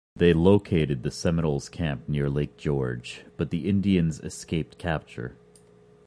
They located the Seminoles' camp near Lake George, but the Indians escaped capture.